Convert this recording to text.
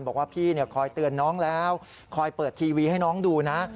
บอกว่าพี่คอยเตือนน้องแล้วคอยเปิดทีวีให้น้องดูนะ